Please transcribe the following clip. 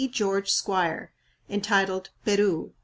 George Squier, entitled "Peru.